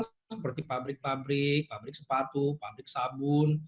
seperti pabrik pabrik pabrik sepatu pabrik sabun